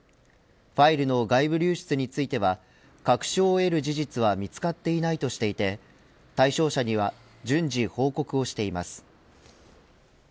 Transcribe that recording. ファイルの外部流出については確証を得る事実は見つかっていないとしていて対象者には順次報告をしています。